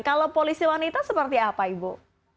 kalau polisi wanita seperti apa ibu